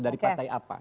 dari partai apa